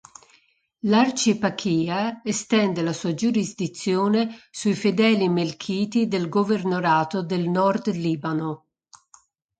L'arcieparchia estende la sua giurisdizione sui fedeli melchiti del governatorato del Nord Libano.